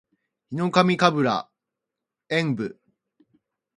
ヒノカミ神楽円舞（ひのかみかぐらえんぶ）